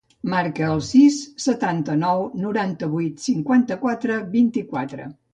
Marca el sis, setanta-nou, noranta-vuit, cinquanta-quatre, vint-i-quatre.